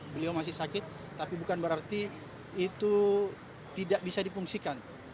beliau masih sakit tapi bukan berarti itu tidak bisa dipungsikan